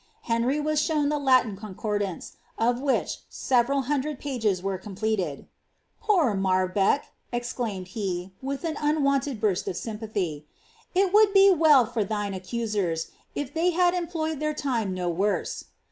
Henry was si Latin Concordance, of which seveml hundred pages were coi " Poor Marl)eck !" exclaimed he, with an unwonted burst of s " it would be well for thine accusers if they had employed the; worse.'